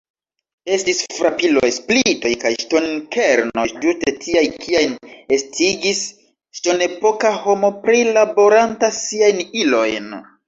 Estis frapiloj, splitoj kaj ŝtonkernoj, ĝuste tiaj, kiajn estigis ŝtonepoka homo prilaboranta siajn ilojn.